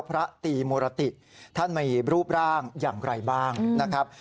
พระตีมุรติท่านมีรูปร่างอย่างไรบ้างนะครับ